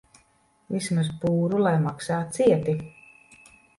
Vismaz pūru lai maksā cieti.